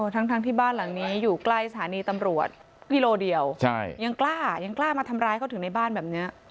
ทั้งที่บ้านหลังนี้อยู่ใกล้สถานีตำรวจกิโลเดียวยังกล้ายังกล้ามาทำร้ายเขาถึงในบ้านแบบนี้